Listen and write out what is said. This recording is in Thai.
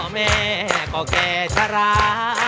พ่อแม่ก็แก่ชะล้า